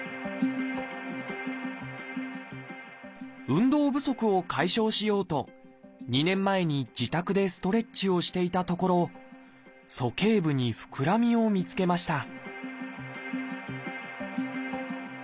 運動不足を解消しようと２年前に自宅でストレッチをしていたところ鼠径部にふくらみを見つけました